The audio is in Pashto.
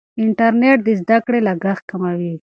انټرنیټ د زده کړې لګښت کموي.